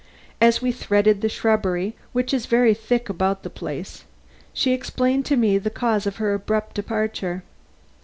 As we threaded the shrubbery, which is very thick about the place, she explained to me the cause of her abrupt departure.